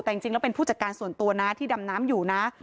แต่จริงแล้วเป็นผู้จัดการส่วนตัวนะที่ดำน้ำอยู่นะ